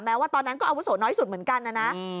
ว่าตอนนั้นก็อาวุโสน้อยสุดเหมือนกันนะนะ